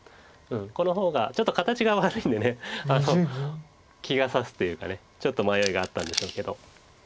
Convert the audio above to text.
この方がちょっと形が悪いんで気がさすというかちょっと迷いがあったんでしょうけど。